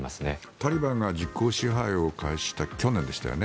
タリバンが実効支配を開始した去年でしたよね